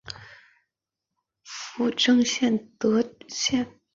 府治建德县。